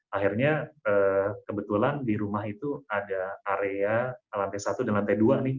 akhirnya kebetulan di rumah itu ada area lantai satu dan lantai dua nih